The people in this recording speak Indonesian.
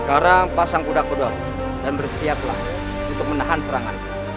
sekarang pasang kuda kuda dan bersiaplah untuk menahan serangan